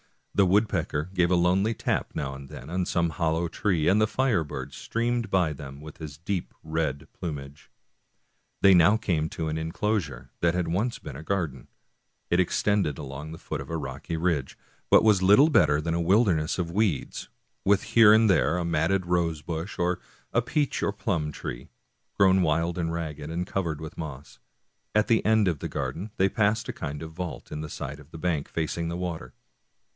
The woodpecker gave a lonely tap now and then on some hollow tree, and the firebird ^ streamed by them with his deep red plumage. They now came to an inclosure that had once been a gar den. It extended along the foot of a rocky ridge, but was * Orchard oriole. 203 American Mystery Stories little better than a wilderness of weeds, with here and there a matted rosebush, or a peach or plum tree, grown wild and ragged, and covered with moss. At the lower end of the garden they passed a kind of vault in the side of a bank, facing the water.